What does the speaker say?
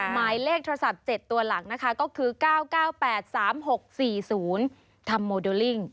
หมายเลขโทรศัพท์๗ตัวหลักนะคะก็คือ๙๙๘๓๖๔๐ทำโมเดลลิ่ง